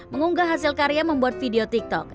mengunggah hasil karya membuat video tiktok